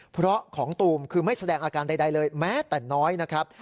เพราะของตูมคือไม่แสดงอาการใดเลยแม้แต่น้อยนะครับ